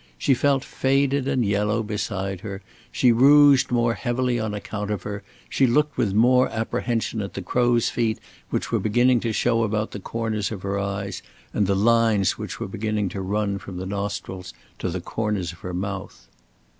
She felt faded and yellow beside her, she rouged more heavily on account of her, she looked with more apprehension at the crow's feet which were beginning to show about the corners of her eyes, and the lines which were beginning to run from the nostrils to the corners of her mouth.